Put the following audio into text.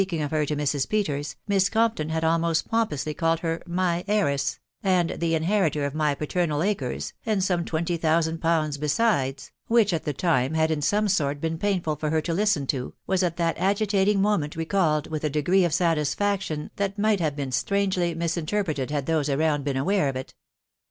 ing of her to Mrs. Peters, Miss Compton had almost pomp ously called her "my heiress/' and "the inheritor of my paternal acres, and some twenty thousand pounds beside," which at the time had in some sort been painful for her to listen to,, was at that agitating moment recalled with a degree of satisfaction that might have been strangely misinterpreted had those around her been aware of it.